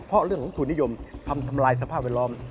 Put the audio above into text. เพราะเรื่องของธุรกิจนิยมทำลายสภาวะแวดล้อม